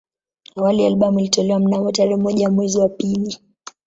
Awali albamu ilitolewa mnamo tarehe moja mwezi wa pili